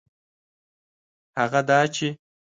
هغه دا چي